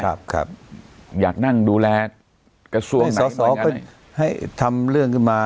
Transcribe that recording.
ครับครับอยากนั่งดูแลกระทรวงสอสอก็ให้ทำเรื่องขึ้นมา